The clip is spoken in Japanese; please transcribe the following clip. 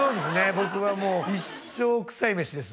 僕はもう一生臭い飯です